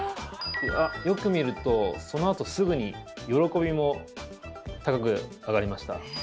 あっよく見るとそのあとすぐに喜びも高く上がりました。